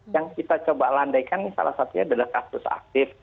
yang kita coba landaikan salah satunya adalah kasus aktif